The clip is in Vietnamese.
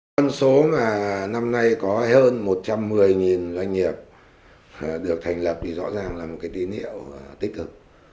con số mà năm nay có hơn một trăm một mươi doanh nghiệp được thành lập thì rõ ràng là một cái tín hiệu tích cực